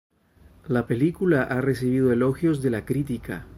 La película ha recibido elogios de la crítica.